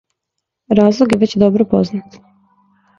Разлог је већ добро познат.